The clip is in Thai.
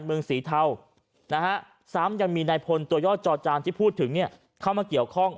เมืองสีเทานะฮะซ้ำยังมีนายพลตัวยอดจอจานที่พูดถึงเข้ามาเกี่ยวข้อง